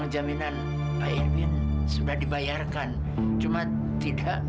ya silakan duduk